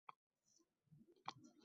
Henri Devid Toro